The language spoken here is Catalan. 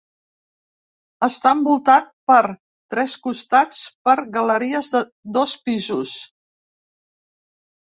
Està envoltat per tres costats per galeries de dos pisos.